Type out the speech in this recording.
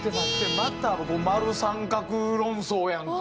また丸三角論争やんか。